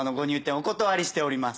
お断りしております。